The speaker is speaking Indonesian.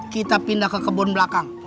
kita pindah ke kebun belakang